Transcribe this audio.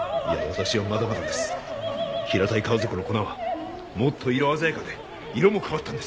私はまだまだです平たい顔族の粉はもっと色鮮やかで色も変わったんです